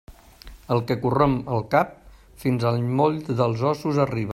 El que corromp el cap, fins al moll dels ossos arriba.